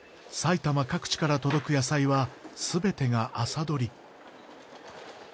埼玉各地から届く野菜はすべてが朝採り。